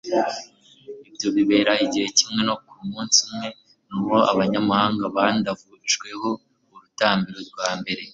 ibyo bibera igihe kimwe no ku munsi umwe n'uwo abanyamahanga bandavujeho urutambiro rwa mbere